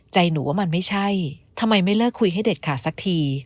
ใจหนูว่ามันไม่ใช่ทำไมไม่เลิกคุยให้เด็ดขาดสักที